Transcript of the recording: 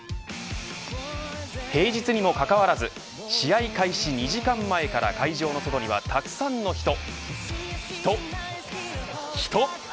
平日にもかかわらず試合開始２時間前から会場の外にはたくさんの人、人、人。